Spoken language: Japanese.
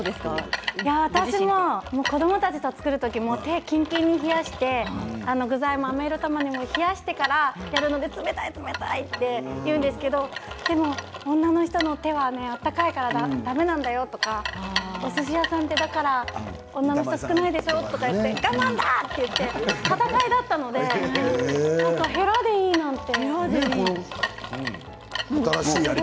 私も子どもたちが作る時、手をキンキンに冷やしてたまねぎもあめ色たまねぎ冷やしているので冷たい冷たいとやるんですけどでも、女の人の手は温かいからだめなんだよっておすし屋さんは女の人、少ないでしょ？とか言って我慢だ！と言って闘いだったのでへらでいいなんて。